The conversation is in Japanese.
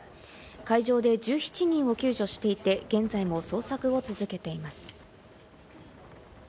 海上で１７人を救助していて、現在も捜索を続けています。